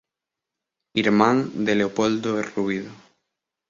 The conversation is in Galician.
Irmán de Leopoldo Rubido.